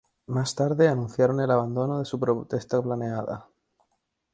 Más tarde anunciaron el abandono de su protesta planeada.